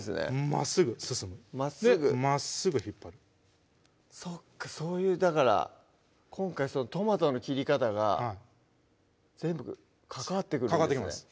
まっすぐ進むまっすぐ引っ張るそっかそういうだから今回トマトの切り方が全部関わってくるんですね関わってきます